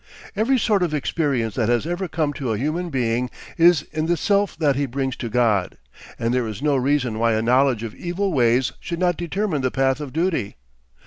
Every sort of experience that has ever come to a human being is in the self that he brings to God, and there is no reason why a knowledge of evil ways should not determine the path of duty.